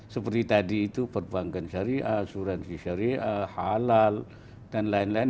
seperti tadi itu perbuangan syari'ah asuransi syari'ah halal dan lain lain